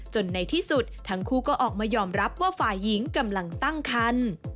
ในที่สุดทั้งคู่ก็ออกมายอมรับว่าฝ่ายหญิงกำลังตั้งคัน